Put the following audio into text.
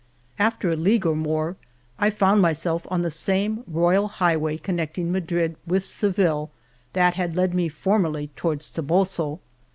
After a league or more I found myself on the same Royal Highway connecting Madrid with Seville that had led me formerly toward Toboso.